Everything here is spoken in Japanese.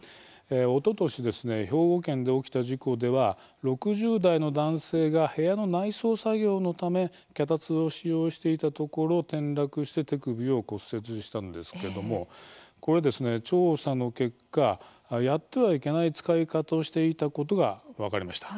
おととし兵庫県で起きた事故では６０代の男性が部屋の内装作業のため脚立を使用していたところ転落して手首を骨折したんですけれどもこれ、調査の結果やってはいけない使い方をしていたことが分かりました。